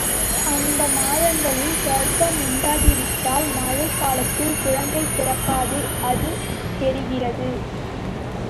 அந்த மாதங்களில் கருப்பம் உண்டாகாவிட்டால் மழை காலத்தில் குழந்தை பிறக்காது, அது தெரிகிறது.